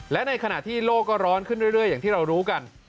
และในขณะที่โลกก็ร้อนขึ้นเรื่อยอย่างที่เรารู้กัน